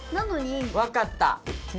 わかった。